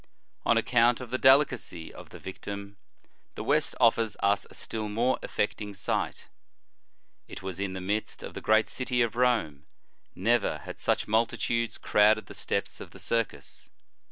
"* On account of the delicacy of the victim, the West offers us a still more affecting sight. It was in the midst of the great city of Rome. Never had such multitudes crowded the steps of the circus.